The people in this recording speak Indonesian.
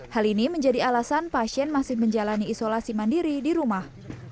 hal ini menjadi alasan pasien masih menjalani isolasi mandiri di rumah